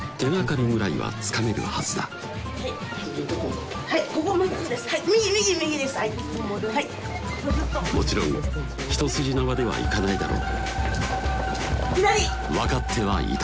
もうずっともちろん一筋縄ではいかないだろう